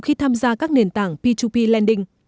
khi tham gia các nền tảng p hai p lending